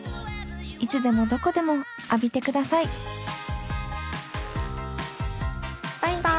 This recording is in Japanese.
いつでもどこでも浴びてくださいバイバイ。